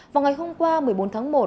vào ngày hôm qua một mươi bốn tháng một